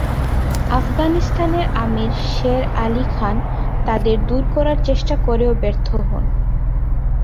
আফগানিস্তানের আমির শের আলি খান তাদের দূর করার চেষ্টা করেও ব্যর্থ হন।